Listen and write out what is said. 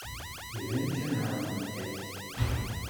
Iban kan ɛerqent-ak.